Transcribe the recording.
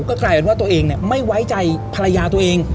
ก็กลายเป็นว่าตัวเองไม่ไว้ใจภรรยาตัวเอง